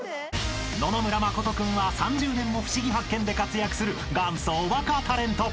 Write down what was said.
［野々村真君は３０年も『ふしぎ発見！』で活躍する元祖おバカタレント。